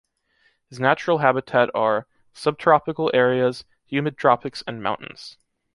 His natural habitat are: subtropical areas, humid tropics and mountains.